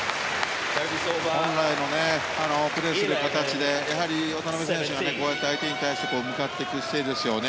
本来のプレーする形で渡辺選手が相手に対して向かっていく姿勢ですよね。